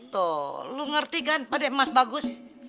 tuh lu ngerti kan pedai emas bagus